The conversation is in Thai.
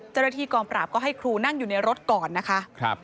เจ้าหน้าที่กองปราบก็ให้ครูนั่งอยู่ในรถก่อนนะคะ